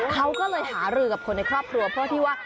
เขาก็เลยหารือกับคนในครอบครัวเพื่อที่ว่า